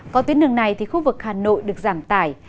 có tuyến đường này thì khu vực hà nội được giảng tài